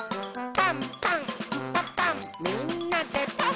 「パンパンんパパンみんなでパン！」